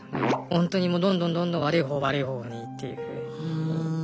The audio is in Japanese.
ほんとにもうどんどんどんどん悪い方悪い方にっていう。